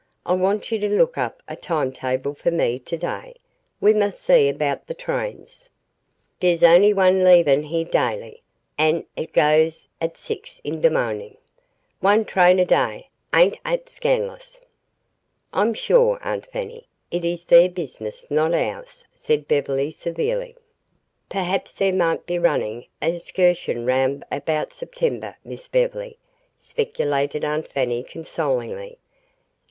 I want you to look up a timetable for me to day. We must see about the trains." "Dey's on'y one leavin' heah daily, an' hit goes at six in de mo'nin'. One train a day! Ain' 'at scan'lous?" "I'm sure, Aunt Fanny, it is their business not ours," said Beverly severely. "P'raps dey mought be runnin' a excuhsion 'roun' 'baout Septembeh, Miss Bev'ly," speculated Aunt Fanny consolingly.